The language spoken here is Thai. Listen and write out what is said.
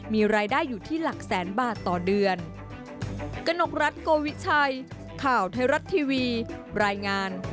มีรายได้อยู่ที่หลักแสนบาทต่อเดือน